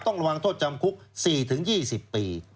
ต้องระวังโทษจำคุก๔๒๐ปี